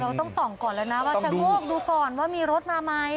เราต้องส่องก่อนแล้วนะว่าชะโงกดูก่อนว่ามีรถมาไหม